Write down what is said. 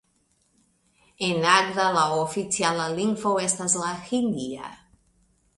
En Nagda la oficiala lingvo estas la hindia.